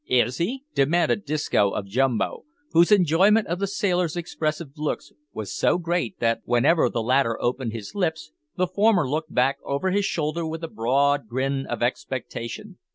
"Is he?" demanded Disco of Jumbo, whose enjoyment of the sailor's expressive looks was so great, that, whenever the latter opened his lips, the former looked back over his shoulder with a broad grin of expectation.